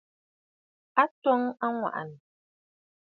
A twoŋǝ aŋwà'ànǝ̀.